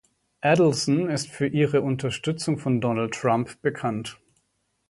Adelson ist für ihre Unterstützung von Donald Trump bekannt.